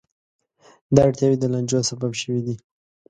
دا اړتیاوې د لانجو سبب شوې دي.